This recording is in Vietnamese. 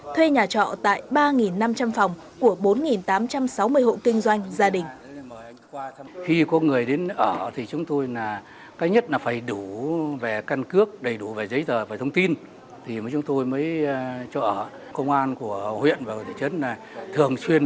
thuê nhà trọ tại ba năm trăm linh phòng của bốn tám trăm sáu mươi hộ kinh doanh gia đình